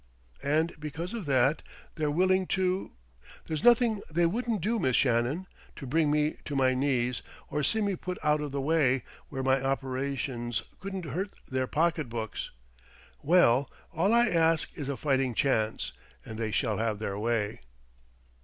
"And because of that, they're willing to " "There's nothing they wouldn't do, Miss Shannon, to bring me to my knees or see me put out of the way, where my operations couldn't hurt their pocketbooks. Well ... all I ask is a fighting chance, and they shall have their way!"